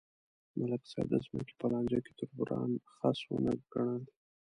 ملک صاحب د ځمکې په لانجه کې تربوران خس ونه ګڼل.